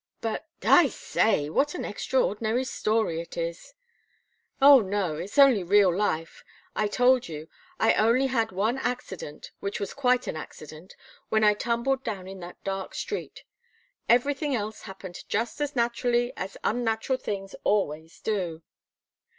"But I say! What an extraordinary story it is!" "Oh, no. It's only real life. I told you I only had one accident, which was quite an accident when I tumbled down in that dark street. Everything else happened just as naturally as unnatural things always do.